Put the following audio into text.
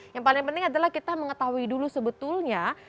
yang paling penting adalah kita mengetahui dulu sebetulnya